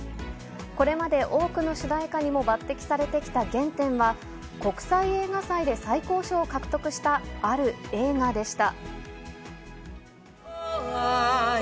これまで多くの主題歌にも抜てきされてきた原点は、国際映画祭で最高賞を獲得した、ある映画でした。